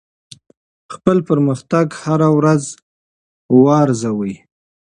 خپل پرمختګ هره ورځ وارزوئ.